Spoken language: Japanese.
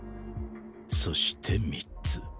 そして３つ。